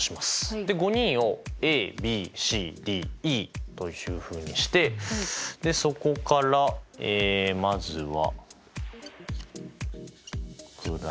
で５人をＡＢＣＤＥというふうにしてそこからまずは。